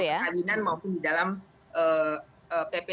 dengan perkahwinan maupun di dalam ppt